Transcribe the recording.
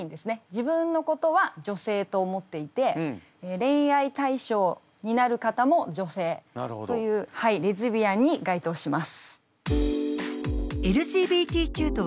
自分のことは女性と思っていて恋愛対象になる方も女性というレズビアンに該当します。